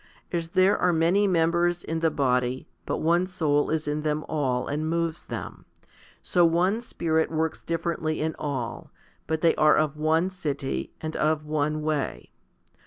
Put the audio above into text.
As there are many members in the body, but one soul is in them all and moves them, so one Spirit works differently in all, but they are of one city, and of one way.